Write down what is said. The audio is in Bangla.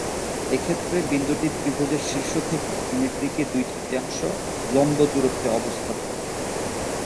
এক্ষেত্রে বিন্দুটি ত্রিভুজের শীর্ষ থেকে ভূমির দিকে দুই-তৃতীয়াংশ লম্ব দূরত্বে অবস্থান করে।